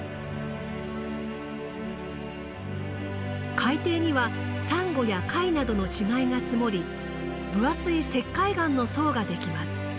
海底にはサンゴや貝などの死骸が積もり分厚い石灰岩の層ができます。